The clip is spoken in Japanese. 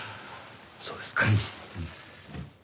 そうですか。